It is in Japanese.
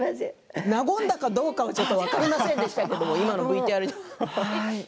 和んだかどうかは分かりませんでしたけれど、今のＶＴＲでは。